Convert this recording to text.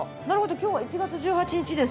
今日は１月１８日です。